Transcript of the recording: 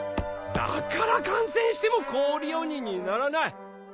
だから感染しても氷鬼にならない。